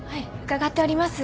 伺っております。